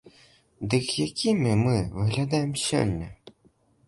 Дык якімі мы выглядаем сёння?